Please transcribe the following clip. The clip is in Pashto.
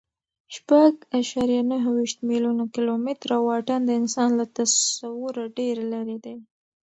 شپږ اعشاریه نهه ویشت میلیونه کیلومتره واټن د انسان له تصوره ډېر لیرې دی.